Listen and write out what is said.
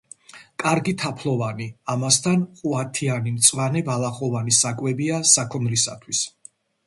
კარგი თაფლოვანი, ამასთან ყუათიანი მწვანე ბალახოვანი საკვებია საქონლისათვის.